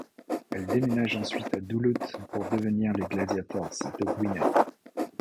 Elle déménage ensuite à Duluth pour devenir les Gladiators de Gwinnett.